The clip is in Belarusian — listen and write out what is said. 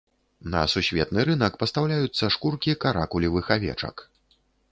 На сусветны рынак пастаўляюцца шкуркі каракулевых авечак.